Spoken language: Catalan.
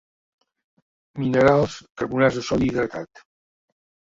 Minerals, carbonats de sodi hidratat.